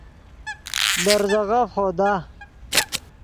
لے ریزے غف خودا